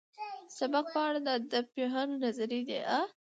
سبک په اړه د ادبپوهانو نظريې دي.